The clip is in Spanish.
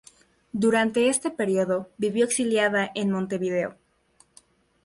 Durante este período, vivió exiliada en Montevideo.